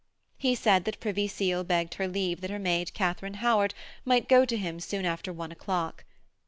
He said that Privy Seal begged her leave that her maid Katharine Howard might go to him soon after one o'clock.